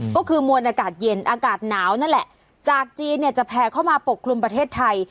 ก็คือมวลอากาศเย็นอากาศหนาวนั่นแหละจากจีนเนี่ยจะแผ่เข้ามาปกคลุมประเทศไทย